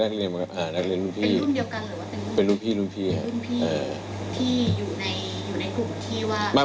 รุ่นพี่ที่อยู่ในกรุ่นที่ว่ากล้านทิ้ง